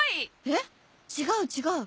えっ違う違う。